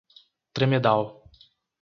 Tremedal